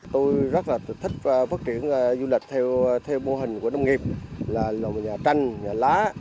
tôi rất là thích phát triển du lịch theo mô hình của đồng nghiệp là ngôi nhà tranh ngôi nhà lá